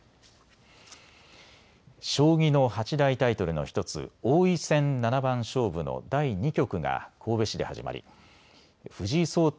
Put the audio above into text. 将棋の八大タイトルの１つ、王位戦七番勝負の第２局が神戸市で始まり藤井聡太